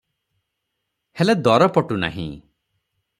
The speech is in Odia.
ହେଲେ ଦର ପଟୁ ନାହିଁ ।